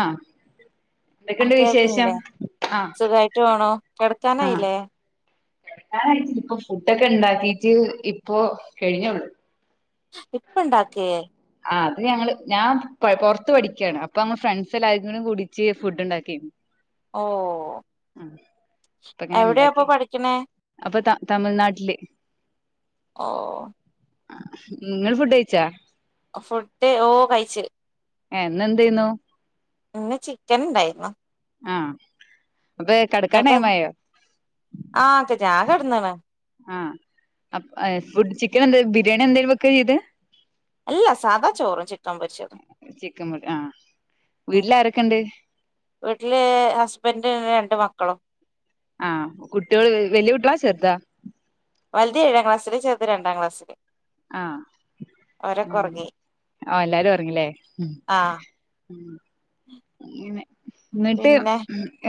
ആഹ്. ആ എന്തൊക്കെണ്ട് വിശേഷം? കേൾക്കുന്നില്ലേ ആഹ് സുഖായിട്ട് പോണു ആഹ്. കിടക്കാനായില്ലേ കട്ക്കാനായിട്ടില്ല. ഇപ്പൊ ഫുഡൊക്കെ ഇണ്ടാക്കീട്ട് ഇപ്പോ കെഴിഞ്ഞൊള്ളൂ. ഇപ്പണ്ടാക്കേ? ആഹ് അത് ഞങ്ങള്, ഞാൻ പഴ് പൊർത്ത് പഠിക്കാണ്. അപ്പ മ്മ ഫ്രണ്ട്സെല്ലാര്ക്കും കൂടീറ്റ് ഫുഡ് ഉണ്ടാക്കേന്ന്. ഓഹ്. അപ്പ ങ്ങനെ ണ്ടാക്കി. പഠിക്കണേ അപ്പ ത തമിഴ്നാട്ടില്. ഓഹ്. ആഹ് ഇങ്ങൾ ഫുഡഴിച്ചാ? ഫുഡ്, ഓഹ് കഴിച്ച്. ഏഹ്. ഇന്നന്തേന്നു? ഇന്ന് ചിക്കൻ ഇണ്ടായീന്നു. ആഹ് അപ്പെ അപ്പം ആഹ് [unintelligible] ഞാൻ കെട്ന്ന്ണ്. ആഹ്. അപ് ഫുഡ് ചിക്കൻ എന്തേ ബിരിയാണി എന്തേലും വെക്കാ ചെയ്തേ? അല്ല സാദാ ചോറും ചിക്കൻ പൊര്ച്ചതും. ചിക്കൻ പൊര് ആഹ്. വീട്ടിലാരൊക്കെണ്ട്? വീട്ടില് ഹസ്ബെൻ്റ് ന്നെ രണ്ട് മക്കളും. ആഹ് കുട്ടിയേൾ, വെല്ല്യ കുട്ട്യേളാ ചെർതാ? വൽത് ഏഴാം ക്ലാസില് ചെർത് രണ്ടാം ക്ലാസ്സില്. ആഹ്. അവരൊക്കെ ആണോ. ഉറങ്ങി ഓഹ് എല്ലാരും ഒർങ്ങില്ലേ. ഹും ആ അങ്ങിനെ ഇന്നട്ട് പിന്നെ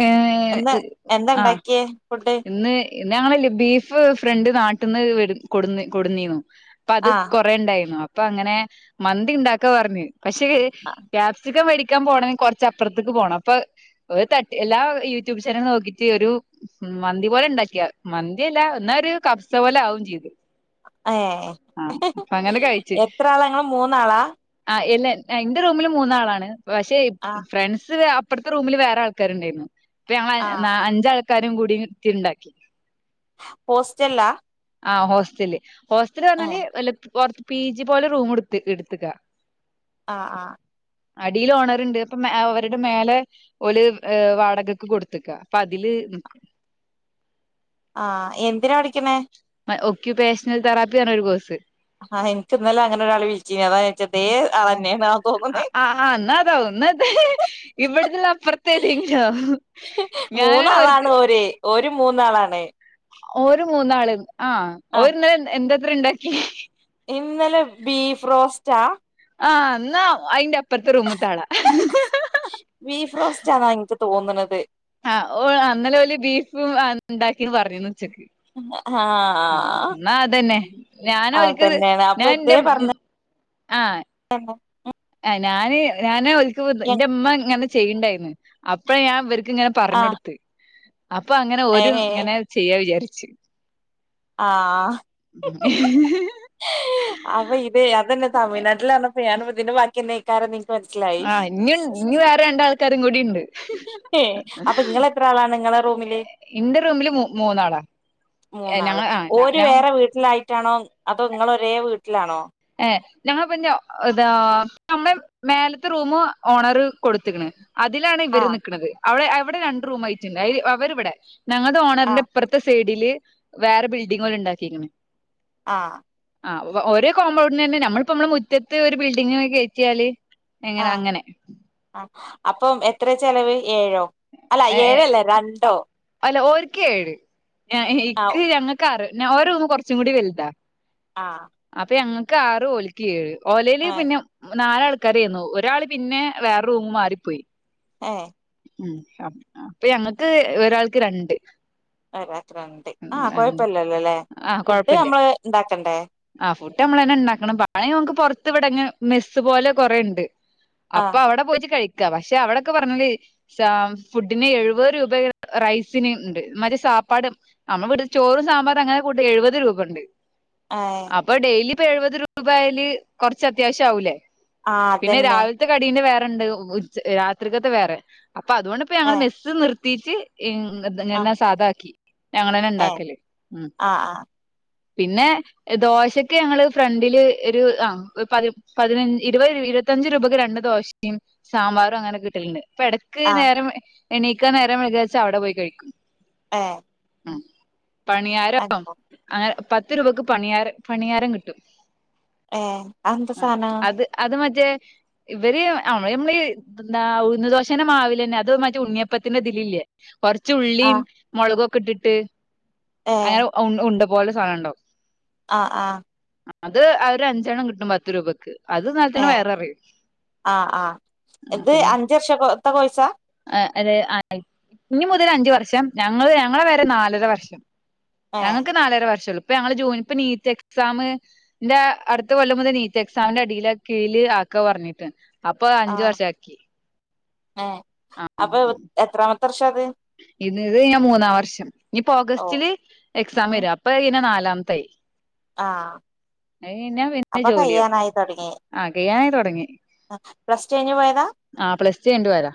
ഏഹ് എന്താ എന്താ ആഹ് ഇണ്ടാക്കിയേ ഫുഡ് ഇന്ന് ഇന്ന് ഞങ്ങള്ല്ലേ ബീഫ് ഫ്രണ്ട് നാട്ടിന്ന് വിട് കൊടുന്ന് കൊടുന്നീന്നു അപ്പം അത് ആ കുറേ ഉണ്ടായിന്നു അപ്പൊ അങ്ങനെ മന്തി ണ്ടാക്കാ പർഞ്ഞ് പക്ഷെ ലാസ് റ്റ് ചിക്കൻ വേടിക്കാൻ പോണങ്കി കുറച്ചപ്പുറത്ത്ക്ക് പോണം അപ്പത് ഒരു തട്ട് എല്ലാ യൂട്യൂബ് ചാനലും നോക്കിട്ട് ഒരു മ്മ് മന്തി പോലെ ഉണ്ടാക്കിയാ മന്തിയല്ല എന്നാ ഒരു കബ്സ പോലെ ആവും ചെയ്ത് ഏഹ് ആഹ് അപ്പൊ അങ്ങനെ കഴിച്ച് എത്ര ആളാ ഇങ്ങള് മൂന്നാളാ ആഹ് ഇല്ല ഇന്റെ റൂമില് മൂന്നാളാണ് പക്ഷെ ആ ഫ്രണ്ട്സ് അ പ്പർത്തെ റൂമിൽ വേറെ ആൾക്കാര്ണ്ടായിന്നു അപ്പം ഞങ്ങൾ ആ അഞ്ച് നാലാ അഞ്ചാൾക്കാരും കൂടി ത്തി ണ്ടാക്കി ഹോസ്റ്റലിലാ ആഹ് ഹോസ്റ്റൽല് ഹോസ്റ്റല് ഏ പർഞ്ഞാല് അല്ല പൊർത്ത് പി ജി പോലെ റൂം ഇട്ത് ഇട്ത്തക്കാ ആഹ് ആഹ് അടീല് ഓണർ ണ്ട് അപ്പം അവര്ടെ മേലെ ഓല് വാടകക്ക് കൊടുത്ത്ക്ക അപ്പൊ അതില് നിക്കും ആഹ് എന്തിനാ പഠിക്കണെ ഒക്യുപ്പേഷണൽ തെറാപ്പി പർണൊരു കോഴ്സ് ആഹ് ഇൻക്ക് ഇന്നലെ അങ്ങനൊരാള് വിളിച്ചീനി അതാ ചോയ്ച്ചെ അതേ ആളെന്ന്യാണൊ ആഹ് ആഹ് അന്നാതാവും ഒന്നത ഇവിടുത്തെല്ലാം അപ്പുറത്തേക്ക് [unintelligible] മൂന്നാളാണ് ഓര് ഓരു മൂന്നാളാണ് ഓര് മൂന്നാള് ആഹ് ഓര് ഇന്നലെ എന്താത്ര ഉണ്ടാക്കി ഇന്നലെ ബീഫ് റോസ്റ്റാ ആഹ് എന്നാ അയിന്റെ അപ്പറത്തെ റൂമിലത്തെ ആളാ ബീഫ്റോസ്റ്റ് ആണെന്നാ എനിക്ക് തോന്നണത് ആഹ് ഓള് ഇന്നലെ ഓല് ബീഫും ഉണ്ടാക്കിന്ന് പറഞ്ഞന്ന് ഉച്ചക്ക് ആഹ് എന്നാ അതന്നെ ഞാന് ഓൽക്ക് അതന്നെയാണ് അപ്പൊ ഞാൻ ഇന്റെ ഇതേ പറഞ്ഞ ആഹ് [unintelligible] ആഹ് ഞാന് ഞാൻ ഓല്ക്ക് എന്റെ അമ്മ ഇങ്ങനെ ചെയ്യണ്ടായിരുന്നു അപ്പളാ ഞാൻ ഇവർക്ക് ഇങ്ങനെ പറഞ്ഞ് ആഹ് കൊടുത്ത് അപ്പൊ അങ്ങനെ ഓരും ഏഹ് ഇങ്ങനെ ചെയ്യാ വിചാര്ച്ച് ആഹ് അപ്പൊ ഇത് അതന്നെ തമിഴ്നാട്ടിലാണ് [unintelligible] ഇതിന്റെ ബാക്കിന്ന നിക്കാര നിക്ക് മനസ്സിലായി കറങ്കൊടിണ്ട് ഏഹ് അപ്പൊ ഇങ്ങളെത്രളാണ് നിങ്ങളെ റൂമില് ഇന്റെ റൂമില് മു മു മൂന്നാള് ഓര് ഞങ്ങ വേറെ വീട്ടിലായി ട്ടാണോ അതോ ഇങ്ങള് ഒരേ വീട്ടിലാണോ ഏഹ് ഞങ്ങളപ്പന്ന ഇതാ നമ്മെ മേലത്തെ റൂമ് ഓണറ് കൊടുത്ത്ക്ക്ണ് അതിലാണ് ഇവര് ആഹ് നൽക്ക്ണത് അവിടെ അവിടെ രണ്ട് റൂം ആയിട്ടുണ്ട് അവരി ഇവിടെ ഞങ്ങളുടെ ഓണറിന്റെ ആഹ് ഇപ്പറത്ത് ത്തെ സൈഡില് വേറെ ബിൽഡിങ് പോലെ ഉണ്ടാക്കിരിക്കണ് ആഹ് ആഹ് ഓരോ കോമ്പൗണ്ടിന് തന്നെ നമ്മളിപ്പോ നമ്മളെ മുറ്റത്ത് ഒരു ബിൽഡിങ്ങ് കയറ്റിയാല് എങ്ങനെ ആഹ് അങ്ങനെ ആഹ് അപ്പം എത്ര ചെലവ് ഏഴോ അല്ല ഏഴ് ഏഹ് അല്ല രണ്ടോ അല്ല ഓരിക്കെ ഏ ആഹ് ഇക്ക് ഞങ്ങൾക്ക് അറ് ഓര് റൂമ് കുറച്ചും കൂടി വലുതാ ആഹ് അപ്പൊ ഞങ്ങക്ക് ആറ് ഓല്ക്ക് ഏഴ് ഓലയില് ആഹ് പിന്നെ നാലാൾക്കാരായിന്നു ഒരാൾ പിന്നെ വേറെ റൂമ് മാറിപ്പോയി ആഹ് ഉം അപ്പൊ ഞങ്ങൾക്ക് ഒരാൾക്ക് രണ്ട് ഒരാക്ക് രണ്ട് ആഹ് കുഴപ്പില്ലല്ലോ അല്ലേ ഫുഡ് നമ്മള് ഉണ്ടാക്കണ്ടേ? ആഹ് ഫുഡ് നമ്മള് തന്നെ ഉണ്ടാക്കണം [unintelligible] നമുക്ക് പൊറത്ത് ഇവിടെങ്ങ് മെസ്സ് പോലെ കൊറെണ്ട് അപ്പൊ ആഹ് അവിടെ പോയിട്ട് കഴിക്ക പക്ഷെ അവിടൊക്കെ പറഞ്ഞല് ഫുഡിന് എഴുപത് രൂപ റൈസിന് ഉണ്ട് മറ്റെ സാപ്പാട് നമ്മൾ വീട്ടിൽ ചോറും സാമ്പാറും അങ്ങനെ കൂട്ടി എഴുപത് രൂപ ഉണ്ട് ആഹ് അപ്പൊ ഡെയ്ലി ഇപ്പൊ എഴുപത് രൂപയിൽ ആയാല് കുറച്ച് അത്യാവശ്യം ആവൂലേ ആഹ് പിന്നെ അതന്നെ രാവിൽ ത്തെ കടീന്റെ വേറെണ്ട് ഉച്ച രാത്രിക്കത്തെ വേറെ അപ്പൊ അതുകൊണ്ട്പ്പോ ഏ ഞങ്ങള് മെസ്സ് നിർത്തിട്ട് ഇങ് ആഹ് ഇങ്ങന സാദ ആക്കി ഞങ്ങള് തന്നെ ഏഹ് ഉണ്ടാക്കല് ഉം ആഹ് പിന്നെ ദോശക്ക് ഞങ്ങള് ഫ്രണ്ടില് ഒരു ആഹ് പതി പതിനച് ഇരുപത് രൂ ഇരുപത്തഞ്ച് രൂപയ്ക്ക് രണ്ട് ദോശയും സാമ്പാറും അങ്ങനൊക്കെ കിട്ടലുണ്ട് ഇപ്പ ഇട ക്ക് ആഹ് നേരം എണീക്കാൻ നേരം വൈകിയാച്ച അവിടെ പോയി കഴിക്കും ആഹ് ഉം പണിയാരോ അങ്ങോ അങ്ങനെ പത്ത് രൂപക്ക് പണിയാര ഭണിയാരം കിട്ടും ഏഹ് അതെന്താ ആഹ് സാനം അത് അത് മറ്റേ ഇവര് അമ്മള് നമ്മളീ ത് എന്താ ഉഴുന്ന് ദോശേനെ മാവില്ലന്നെ അത് മറ്റേ ഉണ്ണിയപ്പത്തിന്റെ ഇതിലില്ലേ കൊറച്ച് ഉള്ളീം ആഹ് മൊളകൊക്കെട്ടിട്ട് ഏഹ് അങ്ങനെ ആ ഉ ഉണ്ടപോലെ സാധനംണ്ടവും ആഹ് ആഹ് അത് ഒരഞ്ചെണ്ണം കിട്ടും പത്ത് രൂപക്ക് അത് തിന്നാൽതന്നെ ഏഹ് വയറ് നറയും ആഹ് ആഹ് ആ ഇത് പിന്നെ അഞ്ച് വർഷത്തെ കോഴ്സാ ആ ഒരു അ ഇഞ്ഞി മുതൽ അഞ്ച് വർഷം ഞങ്ങള് ഞങ്ങളെ വരെ നാലര വർഷം ഏഹ് ഞങ്ങൾക്ക് നാലര വർഷംള്ളൂ ഇപ്പൊ ഞങ്ങള് ജൂ ഇപ്പ നീറ്റ് എക്സാമ് എന്റെ അടുത്ത കൊല്ലം മുതൽ നീറ്റ് എക്സാമിന്റെ അടിൽ കീഴിൽ ആക്കാന്ന് പറഞ്ഞിട്ട് അപ്പൊ അഞ്ച് വർഷാക്കി ഏ അപ്പൊ എത്രാമത്തെ വർഷാത് ഇന്ന്ത് ഞാൻ മൂന്നാം വർഷം ഇനിപ്പോ ഓഹ് ഓഗസ്റ്റില് എക്സാം ഉം വരും അപ്പൊ ഇനി നാലാമത്തായി ആഹ് അയ്കഴിഞാ പിന്നെ അപ്പൊ ജോല്യാവും കയ്യാനായി ആ കയാനായി തൊടങ്ങി ആഹ് പ്ലസ്ടു കഴിഞ്ഞ് പോയതാ ആ പ്ലസ്ടു കഴിഞ്ഞിട്ട് പോയതാ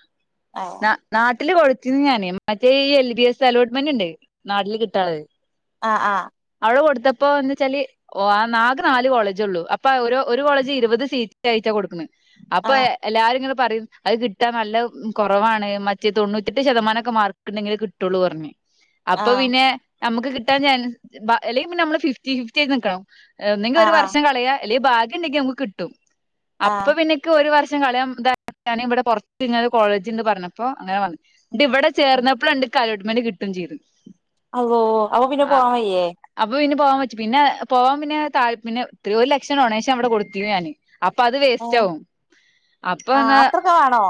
ഏഹ് ന്നാ നാട്ടില് കൊട്ത്തീന്ന് ഞാാന് മറ്റേ ഈ എൽ ബി എസ് അലോട്ട്മെന്റ് ഉണ്ട് നാട്ടില് കിട്ടാതായി ആഹ് ആഹ് അത് കൊടുത്തപ്പോ ന്ന്ച്ചാല് ഓ ആ നാഗ് നാല് കോളേജൊള്ളു അപ്പൊ ഓരോ ഒരു കോളേജി ഇരുപത് സീറ്റായിട്ടാ കൊടുക്ക്ണ് അപ്പൊ ആഹ് എല്ലാരും ഇങ്ങനെ പ്പറയും അത് കിട്ടാൻ നല്ല കുറവാണ് മറ്റേ തൊണ്ണൂറ്റെട്ട് ശതമാനക്കെ മാർക്ക്‌ണ്ടെങ്കിലെ കിട്ടോള്ളൂന്ന് പറഞ്ഞു അപ്പൊ ആഹ് പിന്നെ നമുക്ക് കിട്ടാൻചാൻ അല്ലെങ്കി പിന്നെ നമ്മള് ഫിഫ്റ്റി ഫിഫ്റ്റി ആയി നിക്കണം ഒന്നെങ്കി ഒരു ആഹ് വർഷം കളയാ അല്ലെങ്കിൽ ഭാഗ്യണ്ടെങ്കി നമുക്ക് കിട്ടും അപ്പൊ ആഹ് പിന്നെ ക്ക് ഒരു വർഷം കളിയതും ഇവിടെ പൊറതിങ്ങനെ കോളേജ്ണ്ട് പറഞ്ഞപ്പോൊ അങ്ങനെ വു ഇത് ഇവിടെ ആഹ് ചേർന്നപ്പള്ണ്ട് ക്കലോട്ട്മന്റ് കിട്ടും ചെയ്ത് അള്ളോ അപ്പൊ പിന്നെ പോവാൻ വയ്യേ അപ്പൊ പിന്നെ പോവാാൻ വച്ചു പിന്നെ പോവാൻ പിന്നെ തല് പിന്നെ ഇത്രയൊ ലക്ഷം ഡൊണേഷൻ ഇവിടെ കൊടുത്തിനു ഞാന് അപ്പൊ അത് വേസ്റ്റ് ആാവും ആ അത്രക്കെ വാണോ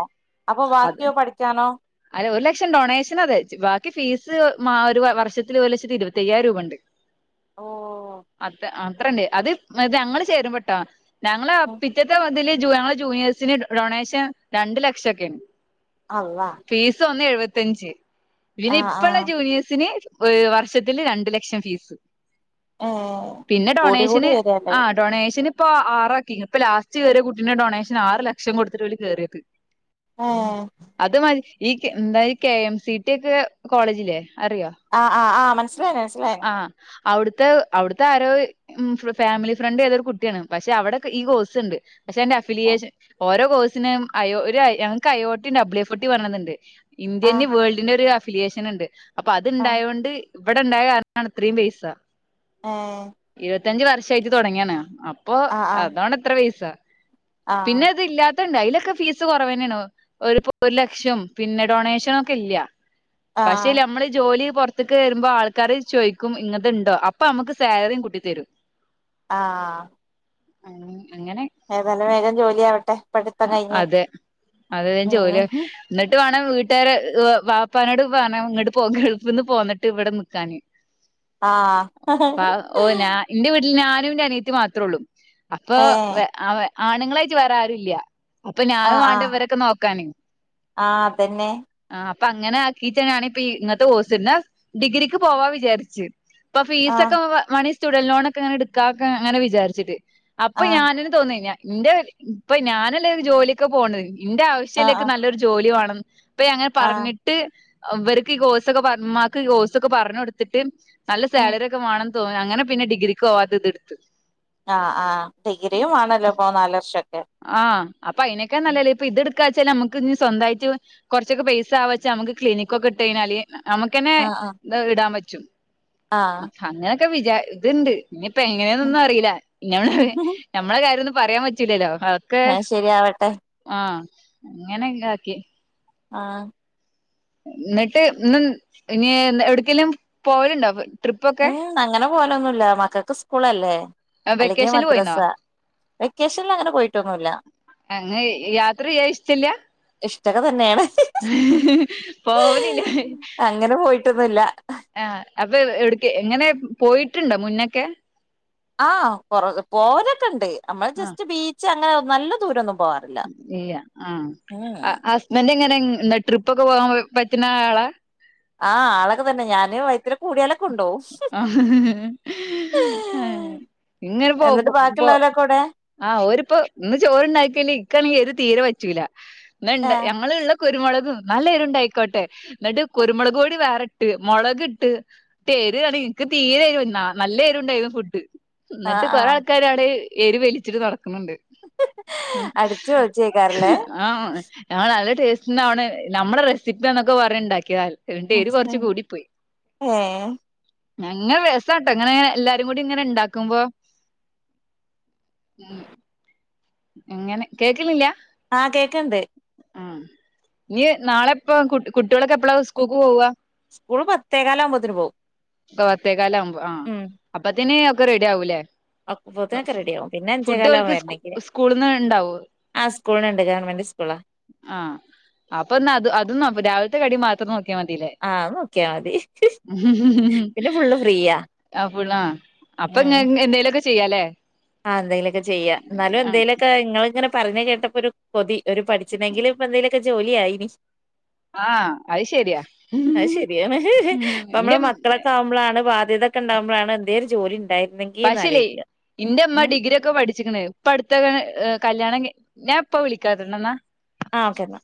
അപ്പൊ അത് ബാക്കിയോ പഠിക്കാനോ അല്ല ഒരു ലക്ഷം ഡൊണേഷൻ അത് ബാക്കി ഫീസ് മാ ഒരു വർഷത്തില് ഒരു ലക്ഷത്തി ഇരുപത്തിയ്യായിരം രൂപണ്ട് ഓഹ് അത്ര അത്രണ്ട് അത്അത് ഞങ്ങള് ചേരുമ്പട്ടോ ഞങ്ങള് പിറ്റത്തെ ഇതില് ജൂ ഞങ്ങള് ജൂനിയേഴ്സിന് ഡൊണേഷൻ രണ്ട് ലക്ഷംക്കെയാണ് അള്ളാഹ് ഫീസ് ഒന്നേ എഴുപത്തിയഞ്ച് പിന്നെ ആഹ് ഇപ്പള്ള ആഹ് ജൂനിയേഴ്സിന് ഒരു വർഷത്തില് രണ്ട് ലക്ഷം ഫീസ് ഏഹ് പിന്നെ കൂടി കൂടി ഡൊണേഷന് വരല്ലേ ആ ഡൊണേഷന് പ്പൊ ആറ് ആാക്കിക് ഇപ്പൊ ലാസ്റ്റ് കേര്യ കുട്ടീന്റെ ഡൊണേഷൻ ആറ് ലക്ഷം കൊടുത്തിട്ട് ഓല് കേറേത് ആഹ് അത് മാരി ഈ കെ എന്തായി കെ എം സി ടി ഒക്കെ കോളേജില്ലേ അറിയോ ആഹ് ആ ആ മനസ്സിലായി മനസ്സിലായി അവ്ട്ത്തെ അവ്ട്ത്തെ ആരോ ഉംഹ് ഫാമിലി ഫ്രണ്ട് ഏതൊരു കുട്ടിയാണ് പക്ഷെ അവിടെൊക്കെ ഈ കോഴ്സ്ണ്ട് പക്ഷെ എന്റെ അഫിലിയേഷൻ ഓരോ കോഴ്സിനും അയഒരു ഞങ്ങക്ക് അയോട്ടി ഡബ്യു എഫ്ട്ടി പറയണന്ന്ണ്ട് ഇന്ത്യന് ആഹ് വേൾഡിന്നൊരു അഫിലിയേഷന്ണ്ട് അപ്പൊ ആഹ് അത്ണ്ടായൊണ്ട് ഇവിടെണ്ടായ കാരണാണ് ഇത്രയും പൈസ ഏഹ് ഇരുപത്തഞ്ച് വർഷായിട്ട് തൊടങ്ങിയാണ് അപ്പൊ ആഹ് ആഹ് അതാണിത്ര പൈസ പിന്നെ ആഹ് അത് ഇല്ലാത്തണ്ട് അതിലൊക്കെ ഫീസ് കൊറവന്നേണോ. ഒരു പ്പൊ ഒരു ലക്ഷം പിന്നെ ഡൊണേഷന ഒക്കെ ഇല്ല പക്ഷെ ആഹ് നമ്മള് ജോലി പോ ക്കെ വരുമ്പോൾ ആൾക്കാാര് ചോദിക്കും ഇങ്ങനത്തെ ഉണ്ടോ അപ്പൊ നമുക്ക് സാലറിയും കൂട്ടി തരും ആ ആ അങ്ങനെ ഏതാലും വേഗം ജോലി ആവട്ടെ അതെ അതത ജോലി ഉം എന്നിട്ട് വേണം വീട്ടുകാര വാപ്പാനോട് വണം ഇങ്ങോട്ട് പോ ഗൾഫിന്ന് പോന്നിട്ട് ഇവിടെ നിക്കാന് ആഹ് അ ഓ ഞാൻ എന്റെ വീട്ടിൽ ഞാനും എന്റെ അനിയത്തി മാത്രേ ഉള്ളൂ അപ്പൊ ഏഹ് ആണുങ്ങളായിട്ട് വറരുംല്ല അപ്പൊ ഞാനും വാണ്ടവരൊക്കെ നോക്കാന ആ അതന്നെ ആ അപ്പൊ അങ്ങനെ ആക്കീട്ടനാണ ഇപ്പ ഇങ്ങത്തെ കോഴ്സ്ന്നെ ഡിഗ്രിക്ക് പോവാ വിചാരിച്ചു ഇപ്പൊ ആഹ് ഫീസൊക്കെ മണി സ്റ്റുഡൽ ലോണ ഒക്കെ അങ്ങനെ എടുക്കാെ അങ്ങനെ വിചാരിച്ചിട്ട് അപ്പൊ ആഹ് ഞാന തോന്ന ഇപ്പൊ ഞാനല്ലേ ജോലിയൊക്കെ പോണത് ഇന്റെ ആവശ്യ ആഹ് പക്ഷയിലേക്ക് ആഹ് നല്ലൊരു ജോലി ആണെന്ന് അപ്പ അങ്ങനെ ആഹ് പറഞ്ഞിട്ട് ട്ട് അവർക്ക് ഈ കോഴ്സ്ക്കെമാക്ക് കോഴ്സൊക്കെ പറഞ്ഞഞ് കൊടുത്തിട്ട് നല്ല ഉം സാലറി ഒക്കെ വേണം ത അങ്ങനെ ഡിഗ്രിക്ക് പോവാത ഇത് ഇടുത്ത ആ ആ ഡിഗ്രിയുംവണലേ ഇപ്പോ നാല് വർഷൊക്കെ ആഹ് അപ്പൊ അതിനനൊക്കെ നല്ലേ ഇപ്പൊ ഇതെടുക്കാെച്ചാൽ നമ്മുക്ക് ഇ സ്വന്തമായിട്ട് കുറച്ചൊക്കെ പൈസ ആവച്ചെ നമുക്ക് ക്നിക്ക ഒക്കെ ഇട്ട കഴിഞ്ഞാല് നമുന്നെ ആ ആ ഇന്ന് ഇടാൻ പറ്റും ആഹ് അങ്ങനെയൊക്കെ വിചാ ഇത്ണ്ട് ഇനിയിപ്പ എങ്ങനെയാന്നൊന്നും അറീല്ലാ [unintelligible] ഞമ്മളെ കാര്യൊന്നും പറയാൻ പറ്റൂല്ലല്ലോ [unintelligible] ആഹ് ശരിയാവട്ടെ ആഹ് അങ്ങനെക്കെ ആക്കി ആഹ് ഇന്നട്ട് ഇന്ന് ഇനി എവിടക്കേലും പോവലുണ്ടോ [unintelligible] ഉം അങ്ങനെ പോവലൊന്നൂല്ലാ മക്കക്ക് സ്കൂളല്ലേ അല്ലെങ്കി വെക്കേഷനിൽ പോയിന്നോ മദ്രസ്സാ വെക്കേഷനിൽ അങ്ങനെ പോയിട്ടൊന്നൂല്ലാ അങ്ങ് യാത്ര ചെയ്യാൻ ഇഷ്ട്ടക്കെ തന്നെയാണ് പോവലില്ലാ അങ്ങനെ പോയിട്ടൊന്നുല്ല ആഹ് അപ്പൊ എവ് എവിടെക്ക് എങ്ങനെ പോയിട്ട്ണ്ടോ മുന്നൊക്കെ ആഹ് കൊർ പോവലൊക്കെ ഇണ്ട് നമ്മള് ആ ജസ്റ്റ് ബീച്ച് അങ്ങനെ നല്ല ദൂരൊന്നും പോവാ ഇല്ലാ ആഹ് ആ ഹസ്ബൻഡ് എങ്ങനെ ട്രിപ്പൊക്കെ പോകാൻ പറ്റുന്ന ആളാ ആഹ് ആളൊക്കെ തന്നെ ഞാന് വയറ്റ് ത്തലേ കൂടിയാലൊക്കെ കൊണ്ടോവും. ആഹ് ഇങ്ങനെ പോ എന്നിട്ട് പോ ബാക്കിയിള്ളോലെക്കെ എവിടെ? ആഹ് ഓരിപ്പോ ഇന്ന് ചോറ്ണ്ടാക്കിയേല് ഇക്കാണെങ്കി എരു തീരെ പറ്റൂലാ ഇന്ന് ഇണ്ട് ഏഹ് ഞങ്ങള് ഇള്ള കുരുമുളകും നല്ല എരുണ്ടായിക്കോട്ടെ എന്നിട്ട് കുരുമുളക് പൊടി വേറെട്ട് മൊളക് ഇട്ട് [unintelligible] ഇൻക്ക് തീരെ എരു പറ്റ് നല്ല എരുണ്ടായിരുന്നു ഫുഡ് ഇന്നട്ട് ആഹ് കൊറെ ആഹ് ആൾക്കാരവിടെ എരു വലിച്ചിട്ട് നടക്ക്ണ് ണ്ട് അടിച്ചു പൊളിച്ചേക്കാരല്ലേ ആഹ് ഞങ്ങള് നല്ല ടേസ്റ്റ്ണ്ടാവണ് നമ്മടെ റെസിപ്പിയാന്നൊക്കെ പറഞ്ഞ് ഇണ്ടാക്കിയതാ എന്നിട്ട് എരു കൊറച്ച് [unintelligible] കൂടി പോയി ഏഹ് [unintelligible] രസാട്ടോ ഇങ്ങനെ എല്ലാരും കൂടി ഇങ്ങനെ ഇണ്ടാക്കുമ്പോ ഉം എങ്ങനെ കേക്കുന്നില്ലാ ആഹ് കേക്ക്ണ്ട് ഏഹ് ഇനി നാളെ എപ്പം കുട്ട് കുട്ട്യേളൊക്കെ എപ്പളാ സ്കൂൾക്ക് പോവാ സ്കൂള് പത്തേക്കാലാകുമ്പത്തിന് പോവും പ പത്തേക്കാലാവുമ്പോ ആഹ് ഉം അപ്പത്തേന് ഒക്കെ റെഡി ആവൂലേ അപ്പോത്തിനൊക്കെ ഫു റെഡിയാവും പിന്നെ ഫുഡ് ഓൽക്ക് സ്‌കൂ സ്കൂള്ന്ന് ഇണ്ടാവോ? ആഹ് സ്കൂള്ന്ന്ണ്ട് ഗവൺമെന്റ് സ്കൂളാ ആഹ് അപ്പൊ ഇന്നാ അതും അതൊന്നും രാവിലത്തെ കടി മാ നോക്കിയാ മതീല്ലേ ആ അത് നോക്കിയാ മതി പിന്നെ ഫുള്ള് ഫ്രീയാ ആഹ് [unintelligible] അപ്പൊ ഇങ് ഇന്നാ എന്തേലൊക്കെ ചെയ്യാലേ ആഹ് എന്തെങ്കിലൊക്കെ ചെയ്യാ ഇന്നാലും ആ എന്തേലൊക് ക്കെ ഇങ്ങള് ഇങ്ങനെ പറഞ്ഞ കേട്ടപ്പോ ഒരു കൊതി ഒരു പഠിച്ചിനേങ്കില് ഇപ്പൊ എന്തെലൊക്കെ ജോലി ആയിനി ആഹ് അത് ശരിയാ അത് ശരിയാണ് ഉം ഇപ്പ എന്റെ അമ്മളെ മക്കളൊക്കെ ആവുമ്പളാണ് ബാധ്യത ക്കെണ്ടാകുമ്പളാണ് എന്തേം ഒരു ജോലി ഇണ്ടായിരുന്നെങ്കീന്ന് ആലോയ്ക്കാ ഇന്റെ ഉമ്മ ഡിഗ്രി ഒക്കെ പഠിച്ചിക്കണ് ഇപ്പ അടുത്ത അങ് ഏഹ് കല്യാണം കയി ഞാൻ ഇപ്പ വിളിക്കാട്ടാ ഇന്നെ എന്നാ ആഹ് ഓക്കെന്നാ